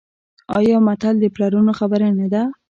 آیا متل د پلرونو خبره نه ده؟